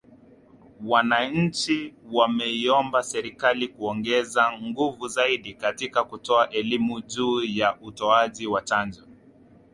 Wananchi wameiomba Serikali kuongeza nguvu zaidi katika kutoa elimu juu ya utoaji wa chanjo